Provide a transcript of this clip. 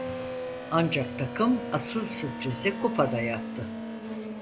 Ancak takım asıl sürprizi Kupa'da yaptı.